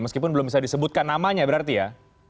meskipun belum bisa disebutkan namanya berarti ya